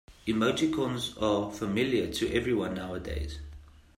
Emoticons are familiar to everyone nowadays.